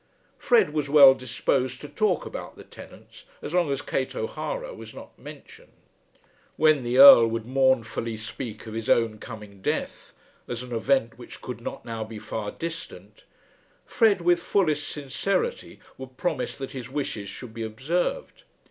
Fred was well disposed to talk about the tenants as long as Kate O'Hara was not mentioned. When the Earl would mournfully speak of his own coming death, as an event which could not now be far distant, Fred with fullest sincerity would promise that his wishes should be observed.